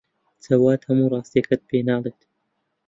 جەواد هەموو ڕاستییەکەت پێ ناڵێت.